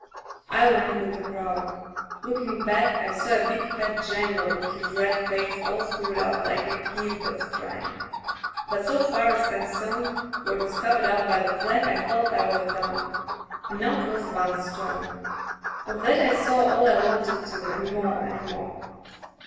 "I went with the crowd. Looking back I saw a big fat general with his red face all screwed up like a kid that's crying; but so far as concerned what was covered up by the flag I felt I was done, and now 'twas Ivan's turn. Of that I saw all I wanted to and more — and more.